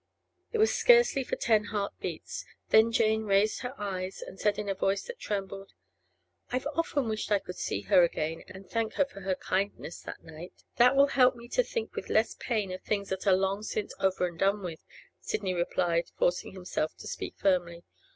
It was scarcely for ten heart beats. Then Jane raised her eyes and said in a voice that trembled: 'I've often wished I could see her again, and thank her for her kindness that night.' 'That will help me to think with less pain of things that are long since over and done with,' Sidney replied, forcing himself to speak firmly.